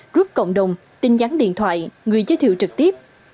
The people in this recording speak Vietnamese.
group cộng đồng tin nhắn điện thoại người giới thiệu trực tiếp